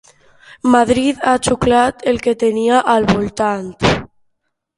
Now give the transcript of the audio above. Madrid ha xuclat el que tenia al voltant